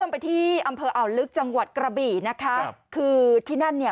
ไปที่อำเภออ่าวลึกจังหวัดกระบี่นะคะคือที่นั่นเนี่ย